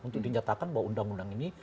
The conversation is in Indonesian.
jadi nyatakan bahwa undang undang ini